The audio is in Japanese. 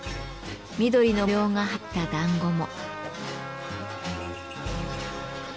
緑の模様が入った団子も。